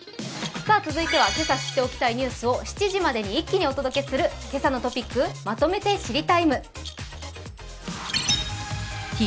続いては今朝知っておきたいニュースを７時まで一気にお届けする「けさのトピックまとめて知りＴＩＭＥ，」